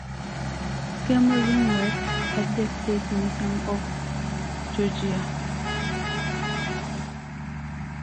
Schmerling worked at the State Museum of Georgia.